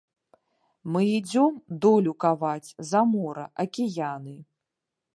Мы ідзём долю каваць, за мора, акіяны.